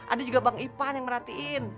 ada juga bang ipan yang merhatiin